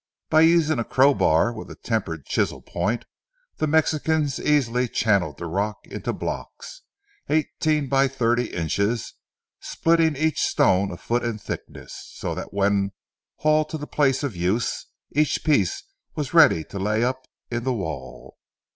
By using a crowbar with a tempered chisel point, the Mexicans easily channeled the rock into blocks, eighteen by thirty inches, splitting each stone a foot in thickness, so that when hauled to the place of use, each piece was ready to lay up in the wall.